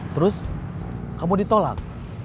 terus kamu ditolak